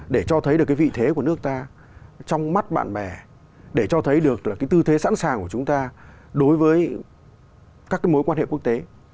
để cho thấy được cái vị thế của nước ta trong mắt bạn bè để cho thấy được là cái tư thế sẵn sàng của chúng ta đối với các cái mối quan hệ quốc tế